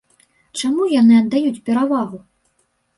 Чаму яны аддаюць перавагу?